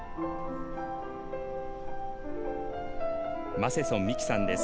マセソン美季さんです。